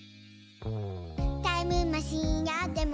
「タイムマシンあっても」